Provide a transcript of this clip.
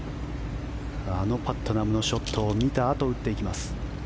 あのパットナムのショットを見たあと打っていきます。